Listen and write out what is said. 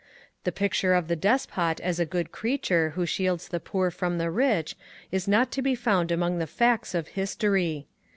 The picture of the despot as a good creature who shields the poor from the rich is not to be found among the facts of history.